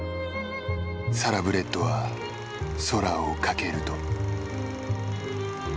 サラブレッドは空を翔ると。